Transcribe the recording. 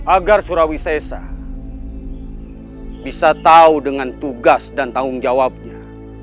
agar surawisesa bisa tahu dengan tugas dan tanggung jawabnya